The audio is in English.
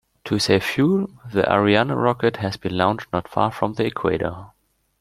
To save fuel, the Ariane rocket has been launched not far from the equator.